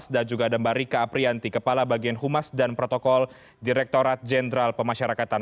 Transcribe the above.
dan juga ada mbak rika aprianti kepala bagian humas dan protokol direktorat jenderal pemasyarakatan